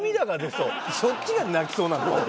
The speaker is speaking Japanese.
そっちが泣きそうなの？